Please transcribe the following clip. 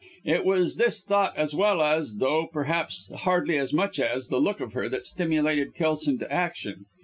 It was this thought as well as though, perhaps, hardly as much as the look of her that stimulated Kelson to action.